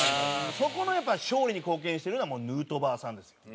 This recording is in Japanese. そこの勝利に貢献してるのはもうヌートバーさんですよ。